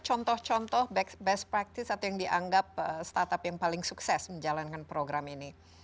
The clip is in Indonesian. contoh contoh best practice atau yang dianggap startup yang paling sukses menjalankan program ini